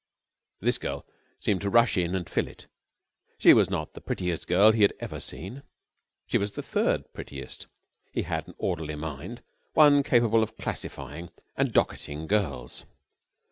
This girl seemed to rush in and fill it. She was not the prettiest girl he had ever seen. She was the third prettiest. He had an orderly mind, one capable of classifying and docketing girls.